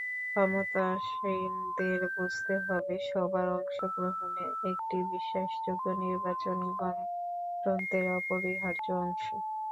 ক্ষমতাসীনদের বুঝতে হবে, সবার অংশগ্রহণে একটি বিশ্বাসযোগ্য নির্বাচন গণতন্ত্রের অপরিহার্য অংশ।